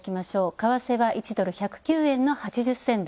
為替は１ドル＝１０９円の８０銭台。